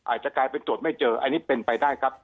อาจจะกลายเป็นตรวจไม่เจออันนี้เป็นไปได้ครับ